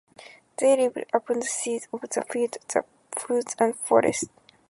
They lived upon the seeds of the field and the fruits of the forest.